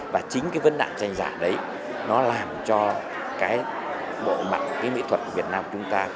và chính cái vấn đạn tranh giả đấy nó làm cho cái bộ mặt cái mỹ thuật việt nam chúng ta